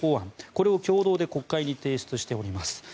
これを共同で国会に提出しております。